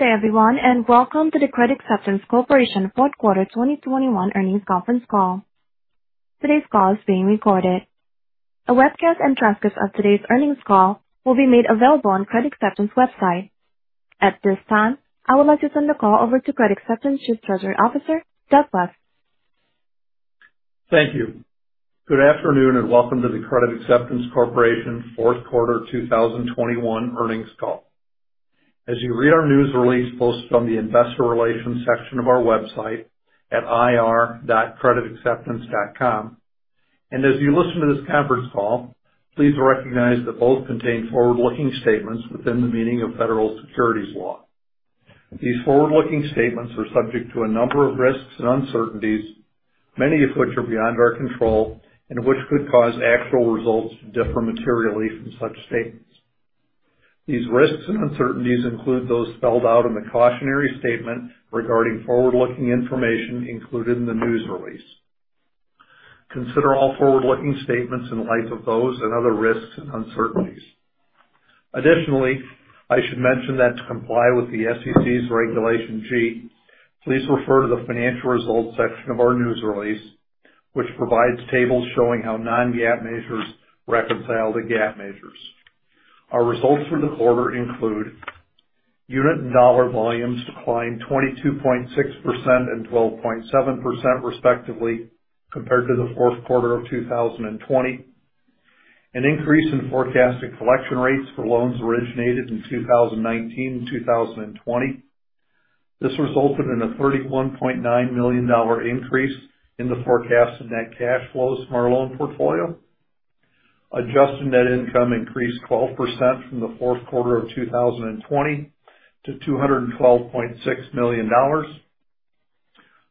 Good everyone, and welcome to the Credit Acceptance Corporation fourth quarter 2021 earnings conference call. Today's call is being recorded. A webcast and transcript of today's earnings call will be made available on Credit Acceptance website. At this time, I would like to turn the call over to Credit Acceptance Chief Treasury Officer, Doug Busk. Thank you. Good afternoon, and welcome to the Credit Acceptance Corporation fourth quarter 2021 earnings call. As you read our news release posted on the investor relations section of our website at ir.creditacceptance.com, and as you listen to this conference call, please recognize that both contain forward-looking statements within the meaning of federal securities law. These forward-looking statements are subject to a number of risks and uncertainties, many of which are beyond our control and which could cause actual results to differ materially from such statements. These risks and uncertainties include those spelled out in the cautionary statement regarding forward-looking information included in the news release. Consider all forward-looking statements in light of those and other risks and uncertainties. Additionally, I should mention that to comply with the SEC's Regulation G, please refer to the financial results section of our news release, which provides tables showing how non-GAAP measures reconcile to GAAP measures. Our results for the quarter include unit and dollar volumes declined 22.6% and 12.7% respectively compared to the fourth quarter of 2020, an increase in forecasted collection rates for loans originated in 2019 and 2020. This resulted in a $31.9 million increase in the forecasted net cash flows from our loan portfolio. Adjusted net income increased 12% from the fourth quarter of 2020 to $212.6 million.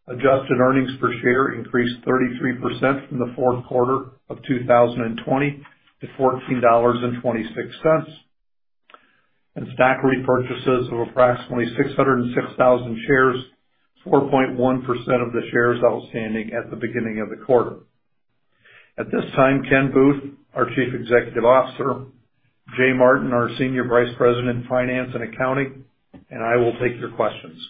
Adjusted earnings per share increased 33% from the fourth quarter of 2020 to $14.26. Stock repurchases of approximately 606,000 shares, 4.1% of the shares outstanding at the beginning of the quarter. At this time, Ken Booth, our Chief Executive Officer, Jay Martin, our Senior Vice President, Finance and Accounting, and I will take your questions.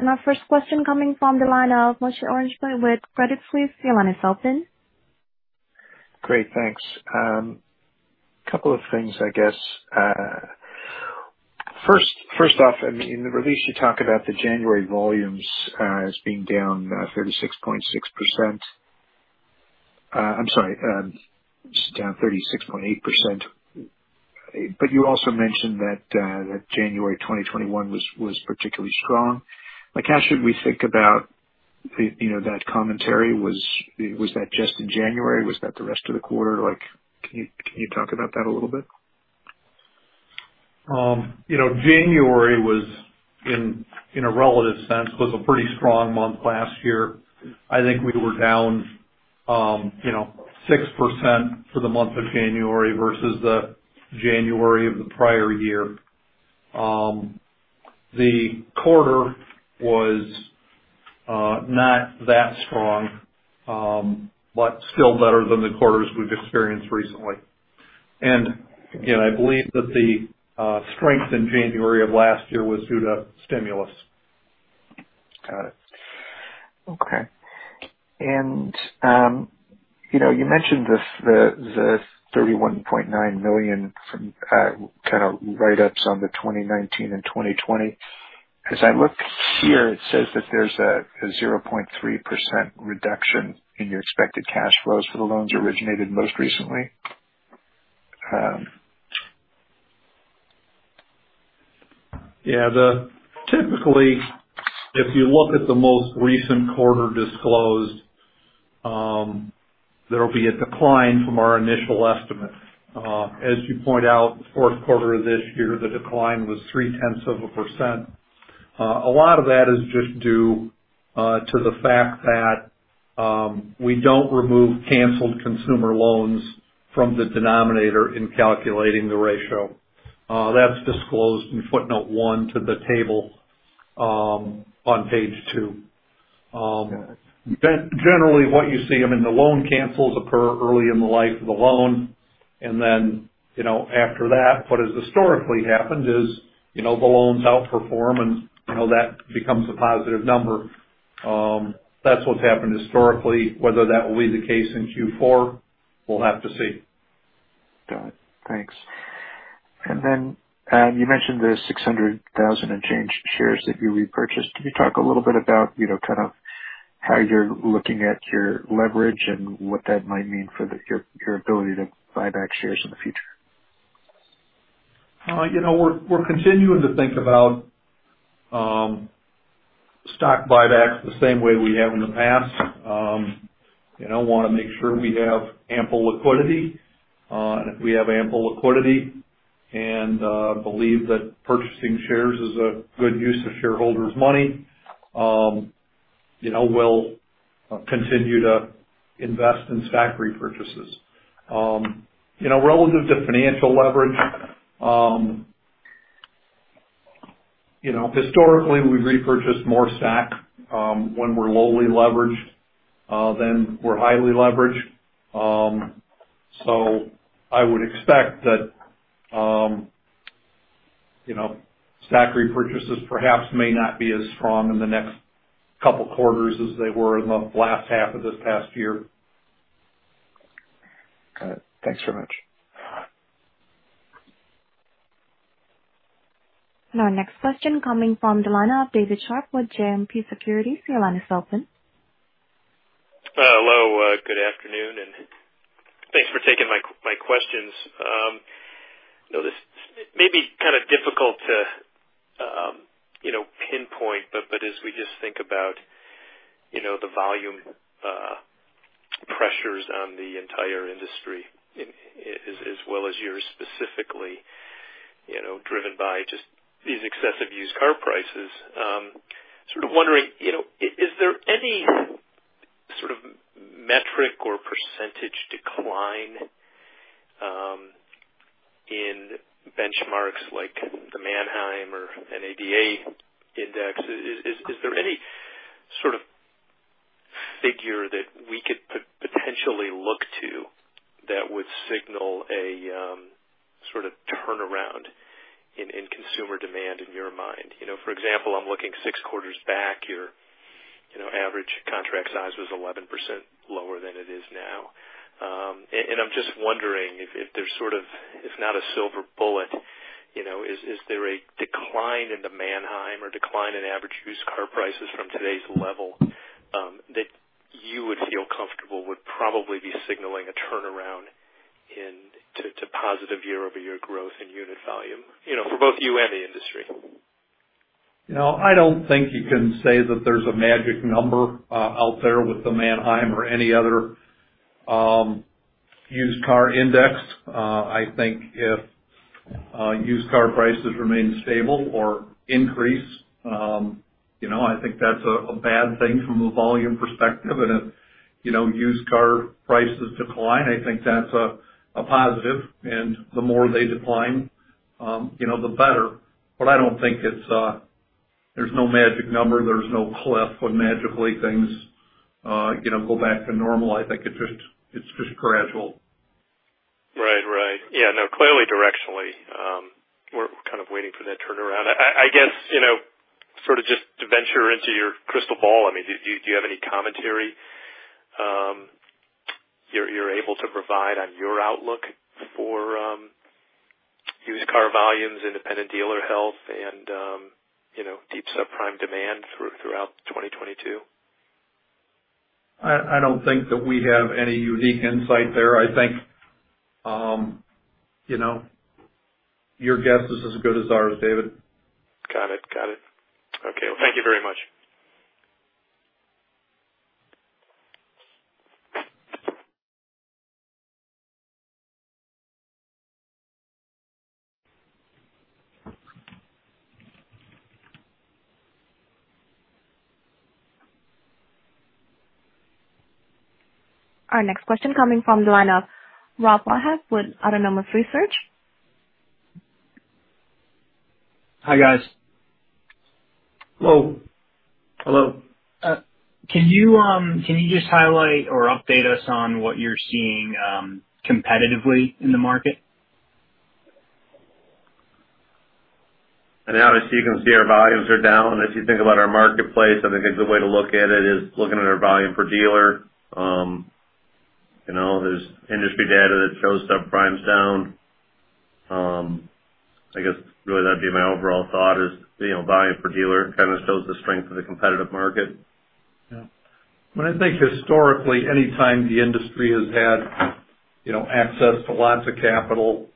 Our first question coming from the line of Moshe Orenbuch with Credit Suisse. Your line is open. Great, thanks. A couple of things, I guess. First off, I mean, in the release you talk about the January volumes as being down 36.8%. But you also mentioned that January 2021 was particularly strong. Like, how should we think about that commentary? Was that just in January? Was that the rest of the quarter? Like, can you talk about that a little bit? January was, in a relative sense, a pretty strong month last year. I think we were down, you know, 6% for the month of January versus the January of the prior year. The quarter was not that strong, but still better than the quarters we've experienced recently. Again, I believe that the strength in January of last year was due to stimulus. Got it. Okay. You know, you mentioned the $31.9 million from kind of write-ups on the 2019 and 2020. As I look here, it says that there's a 0.3% reduction in your expected cash flows for the loans originated most recently. Yeah. Typically, if you look at the most recent quarter disclosed, there'll be a decline from our initial estimate. As you point out, the fourth quarter of this year, the decline was 0.3%. A lot of that is just due to the fact that we don't remove canceled consumer loans from the denominator in calculating the ratio. That's disclosed in footnote 1 to the table on page two. Generally what you see, I mean, the loan cancels occur early in the life of the loan. You know, after that, what has historically happened is, you know, the loans outperform and, you know, that becomes a positive number. That's what's happened historically. Whether that will be the case in Q4, we'll have to see. Got it. Thanks. You mentioned the 600,000 and change shares that you repurchased. Can you talk a little bit about, you know, kind of how you're looking at your leverage and what that might mean for your ability to buy back shares in the future? You know, we're continuing to think about stock buybacks the same way we have in the past. You know, wanna make sure we have ample liquidity. If we have ample liquidity and believe that purchasing shares is a good use of shareholders' money, you know, we'll continue to invest in stock repurchases. You know, relative to financial leverage, you know, historically, we've repurchased more stock when we're lowly leveraged than we're highly leveraged. I would expect that, you know, stock repurchases perhaps may not be as strong in the next couple quarters as they were in the last half of this past year. Got it. Thanks very much. Our next question coming from the line of David Scharf with JMP Securities. Your line is open. Hello. Good afternoon, and thanks for taking my questions. You know, this may be kind of difficult to, you know, pinpoint, but as we just think about, you know, the volume pressures on the entire industry, as well as yours specifically, you know, driven by just these excessive used car prices. Sort of wondering, you know, is there any sort of metric or percentage decline in benchmarks like the Manheim or NADA index? Is there any sort of figure that we could potentially look to that would signal a sort of turnaround in consumer demand in your mind? You know, for example, I'm looking six quarters back, your average contract size was 11% lower than it is now. I'm just wondering if there's sort of, if not a silver bullet, you know, is there a decline in the Manheim or decline in average used car prices from today's level, that you would feel comfortable would probably be signaling a turnaround to positive year-over-year growth in unit volume, you know, for both you and the industry? You know, I don't think you can say that there's a magic number out there with the Manheim or any other used car index. I think if used car prices remain stable or increase, you know, I think that's a bad thing from a volume perspective. If used car prices decline, I think that's a positive, and the more they decline, you know, the better. But I don't think it's. There's no magic number. There's no cliff when magically things go back to normal. I think it's just gradual. Right. Yeah. No, clearly directionally, we're kind of waiting for that turnaround. I guess, you know, sort of just to venture into your crystal ball, I mean, do you have any commentary, you're able to provide on your outlook for, used car volumes, independent dealer health and, you know, deep subprime demand throughout 2022? I don't think that we have any unique insight there. I think, you know, your guess is as good as ours, David. Got it. Okay. Well, thank you very much. Our next question coming from the line of Robert Wildhack with Autonomous Research. Hi, guys. Hello. Hello. Can you just highlight or update us on what you're seeing, competitively in the market? Obviously, you can see our volumes are down. If you think about our marketplace, I think a good way to look at it is looking at our volume per dealer. You know, there's industry data that shows subprime's down. I guess, really that'd be my overall thought is, you know, volume per dealer kind of shows the strength of the competitive market. Yeah. I think historically, any time the industry has had, you know, access to lots of capital,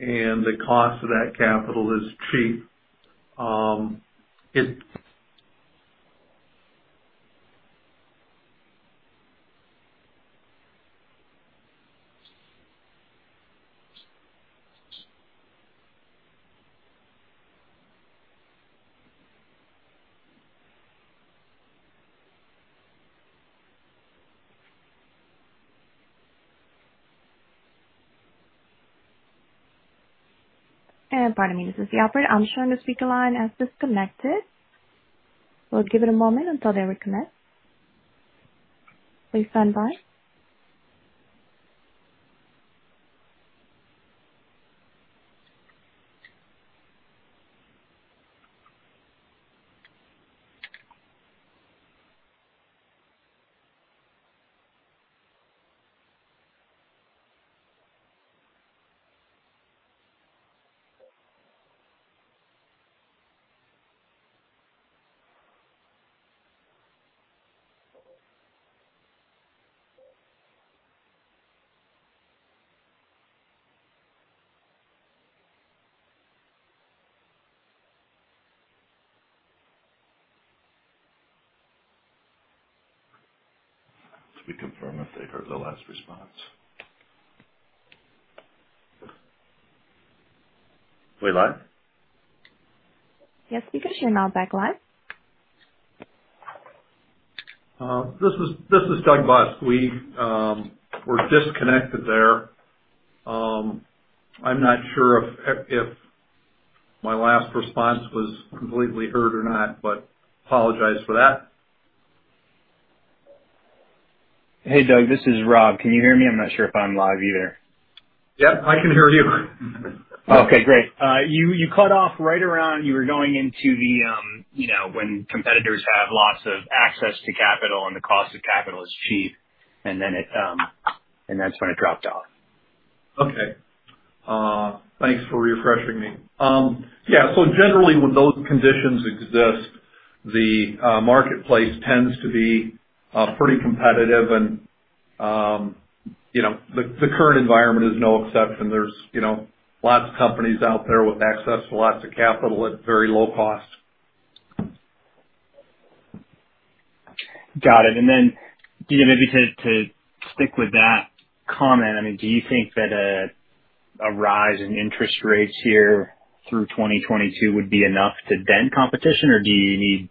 and the cost of that capital is cheap. And pardon me. This is the operator. I'm showing the speaker line as disconnected. We'll give it a moment until they reconnect. Please stand by. Could we confirm if they heard the last response? Are we live? Yes, speaker, you're now back live. This is Doug Busk. We were disconnected there. I'm not sure if my last response was completely heard or not, but I apologize for that. Hey, Doug, this is Rob. Can you hear me? I'm not sure if I'm live either. Yep, I can hear you. Okay, great. You cut off right around you were going into the, you know, when competitors have lots of access to capital and the cost of capital is cheap, and that's when it dropped off. Okay. Thanks for refreshing me. Yeah. Generally, when those conditions exist, the marketplace tends to be pretty competitive. You know, the current environment is no exception. There's you know, lots of companies out there with access to lots of capital at very low cost. Got it. You know, maybe to stick with that comment, I mean, do you think that a rise in interest rates here through 2022 would be enough to dent competition? Or do you need,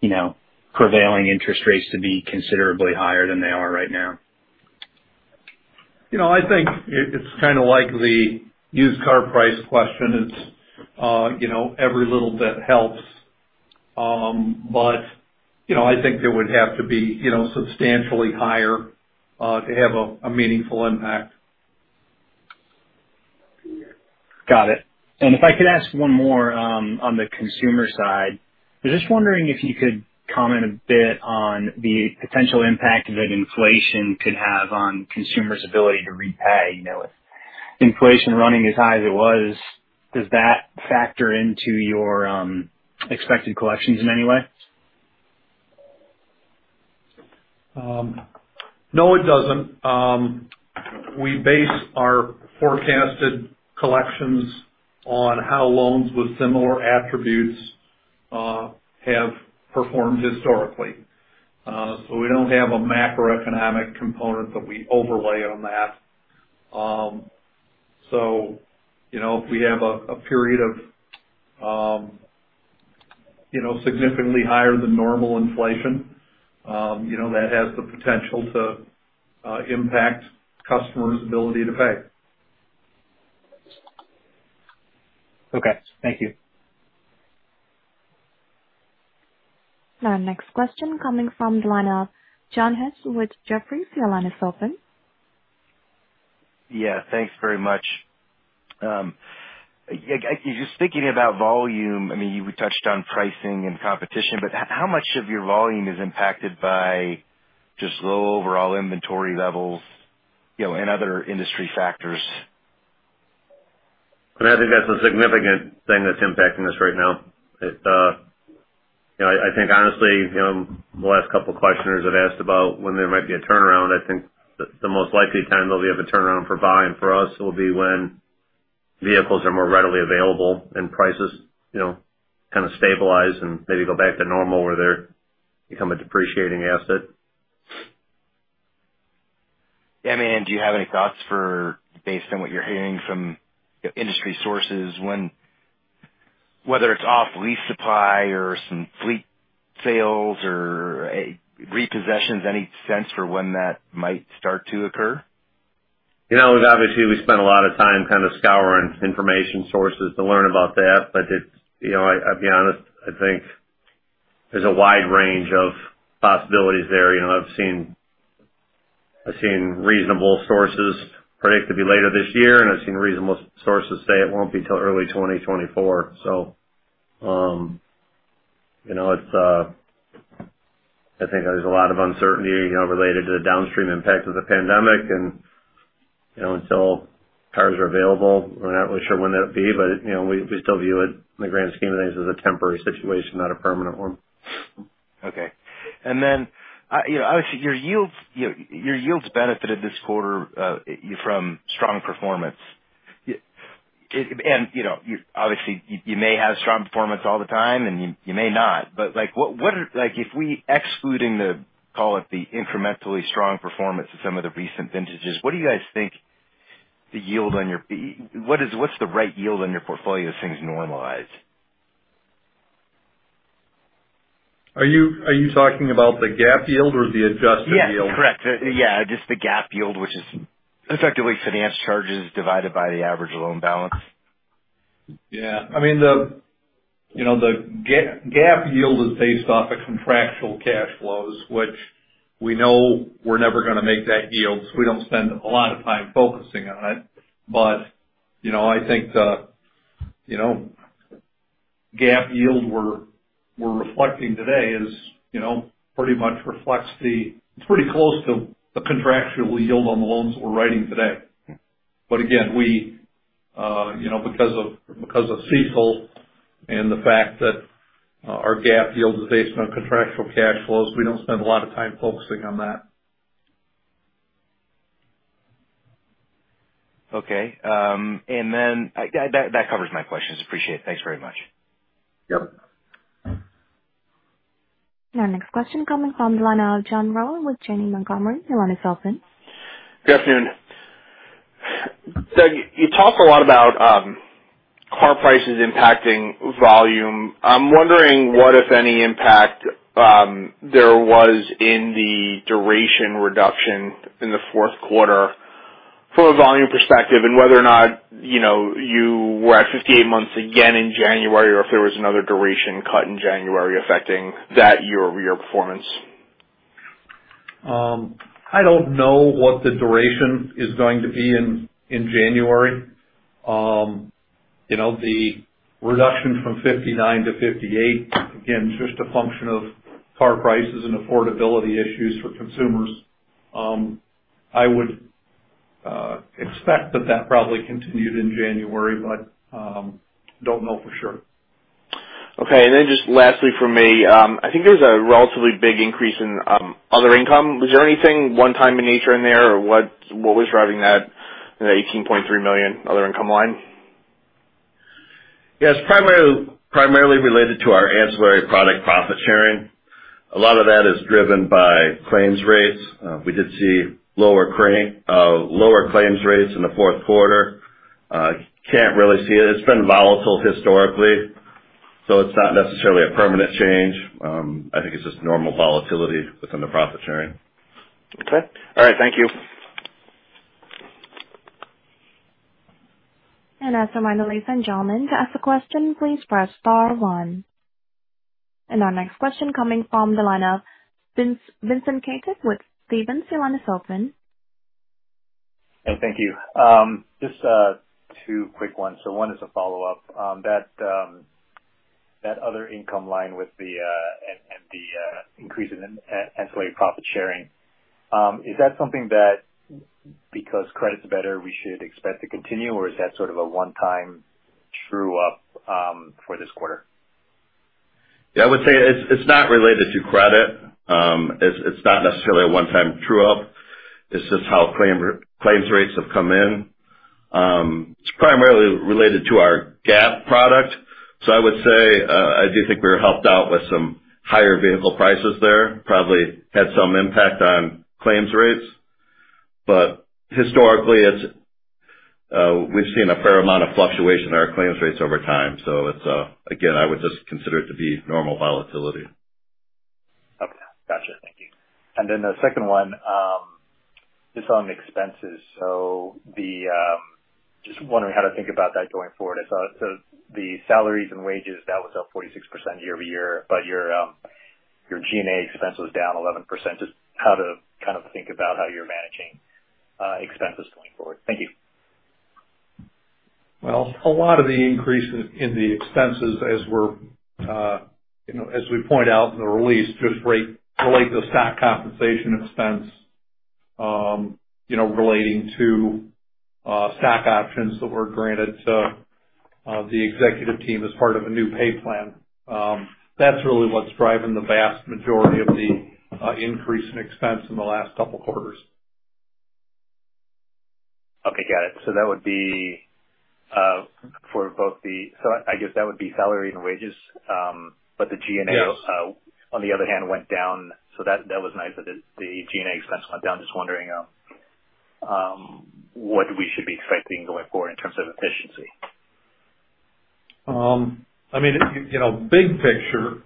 you know, prevailing interest rates to be considerably higher than they are right now? You know, I think it's kind of like the used car price question. It's you know, every little bit helps. I think they would have to be you know, substantially higher to have a meaningful impact. Got it. If I could ask one more, on the consumer side. I was just wondering if you could comment a bit on the potential impact that inflation could have on consumers' ability to repay. You know, if inflation running as high as it was, does that factor into your expected collections in any way? No, it doesn't. We base our forecasted collections on how loans with similar attributes have performed historically. We don't have a macroeconomic component that we overlay on that. You know, if we have a period of, you know, significantly higher than normal inflation, you know, that has the potential to impact customers' ability to pay. Okay. Thank you. Our next question coming from the line of John Hecht with Jefferies. Your line is open. Yeah. Thanks very much. Just thinking about volume, I mean, you touched on pricing and competition, but how much of your volume is impacted by just low overall inventory levels, you know, and other industry factors? I think that's a significant thing that's impacting us right now. It, you know, I think honestly, you know, the last couple questioners have asked about when there might be a turnaround. I think the most likely time there'll be a turnaround for buying for us will be when vehicles are more readily available and prices, you know, kind of stabilize and maybe go back to normal, where they become a depreciating asset. Yeah. I mean, do you have any thoughts on based on what you're hearing from industry sources, when, whether it's off lease supply or some fleet sales or repossessions, any sense for when that might start to occur? You know, obviously we spend a lot of time kind of scouring information sources to learn about that. It's, you know, I'll be honest, I think there's a wide range of possibilities there. You know, I've seen reasonable sources predict it'll be later this year, and I've seen reasonable sources say it won't be till early 2024. I think there's a lot of uncertainty, you know, related to the downstream impact of the pandemic. You know, until cars are available, we're not really sure when that'll be. You know, we still view it in the grand scheme of things as a temporary situation, not a permanent one. Okay. Then, you know, obviously your yields benefited this quarter from strong performance. You know, you obviously may have strong performance all the time, and you may not. Like, what are, like, if we're excluding call it the incrementally strong performance of some of the recent vintages, what do you guys think the yield on your portfolio is, what's the right yield on your portfolio as things normalize? Are you talking about the GAAP yield or the adjusted yield? Yeah. Correct. Yeah, just the GAAP yield, which is effectively finance charges divided by the average loan balance. Yeah. I mean, you know, the GAAP yield is based off of contractual cash flows, which we know we're never gonna make that yield, so we don't spend a lot of time focusing on it. You know, I think the, you know, GAAP yield we're reflecting today is, you know, it's pretty close to the contractual yield on the loans we're writing today. Again, we, you know, because of CECL and the fact that our GAAP yield is based on contractual cash flows, we don't spend a lot of time focusing on that. Okay. That covers my questions. Appreciate it. Thanks very much. Yep. Our next question coming from the line of John Rowan with Janney Montgomery. Your line is open. Good afternoon. Doug, you talked a lot about car prices impacting volume. I'm wondering what, if any, impact there was in the duration reduction in the fourth quarter from a volume perspective and whether or not, you know, you were at 58 months again in January or if there was another duration cut in January affecting that year-over-year performance. I don't know what the duration is going to be in January. You know, the reduction from 59-58, again, is just a function of car prices and affordability issues for consumers. I would expect that probably continued in January, but don't know for sure. Okay. Just lastly from me, I think there's a relatively big increase in other income. Was there anything one-time in nature in there or what was driving that, the $18.3 million other income line? Yeah. It's primarily related to our ancillary product profit sharing. A lot of that is driven by claims rates. We did see lower claims rates in the fourth quarter. Can't really see it. It's been volatile historically, so it's not necessarily a permanent change. I think it's just normal volatility within the profit sharing. Okay. All right. Thank you. As a reminder, ladies and gentlemen, to ask a question, please press star one. Our next question coming from the line of Vincent Caintic with Stephens. Your line is open. Hey. Thank you. Just two quick ones. One is a follow-up. That other income line with the increase in ancillary profit sharing, is that something that because credit's better we should expect to continue, or is that sort of a one-time true up for this quarter? Yeah, I would say it's not related to credit. It's not necessarily a one-time true up. It's just how claims rates have come in. It's primarily related to our GAP product. I would say, I do think we were helped out with some higher vehicle prices there. Probably had some impact on claims rates, but historically, we've seen a fair amount of fluctuation in our claims rates over time. It's again, I would just consider it to be normal volatility. Okay. Gotcha. Thank you. The second one is on expenses. Just wondering how to think about that going forward. I saw, so the salaries and wages that was up 46% year-over-year, but your G&A expense was down 11%. Just how to kind of think about how you're managing expenses going forward. Thank you. Well, a lot of the increase in the expenses, you know, as we point out in the release, just relate to stock compensation expense, you know, relating to stock options that were granted to the executive team as part of a new pay plan. That's really what's driving the vast majority of the increase in expense in the last couple quarters. Okay, got it. I guess that would be salary and wages. The G&A- Yes. On the other hand, went down. That was nice that the G&A expense went down. Just wondering, what we should be expecting going forward in terms of efficiency. I mean, you know, big picture,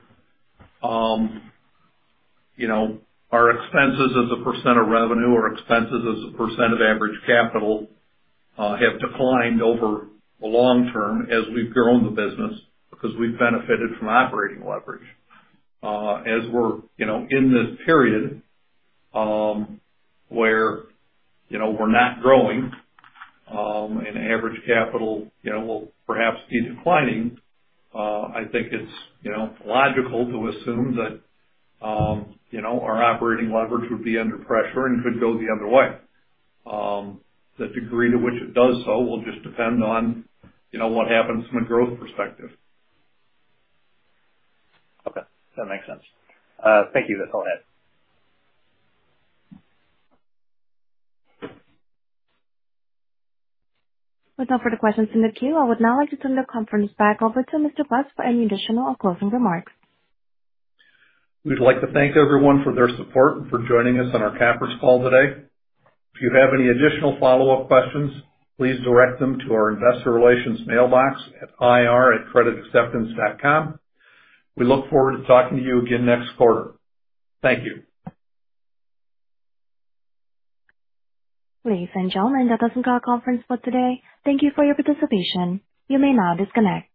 you know, our expenses as a % of revenue or expenses as a % of average capital have declined over the long term as we've grown the business because we've benefited from operating leverage. As we're, you know, in this period, where, you know, we're not growing, and average capital, you know, will perhaps be declining, I think it's, you know, logical to assume that, you know, our operating leverage would be under pressure and could go the other way. The degree to which it does so will just depend on, you know, what happens from a growth perspective. Okay. That makes sense. Thank you. That's all I had. With no further questions in the queue, I would now like to turn the conference back over to Mr. Busk for any additional or closing remarks. We'd like to thank everyone for their support and for joining us on our CACC call today. If you have any additional follow-up questions, please direct them to our investor relations mailbox at ir@creditacceptance.com. We look forward to talking to you again next quarter. Thank you. Ladies and gentlemen, that does end our conference call today. Thank you for your participation. You may now disconnect.